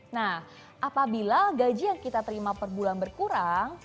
nah apabila gaji yang kita terima per bulan berkurang